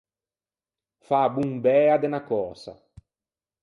Fâ bombæa de unna cösa.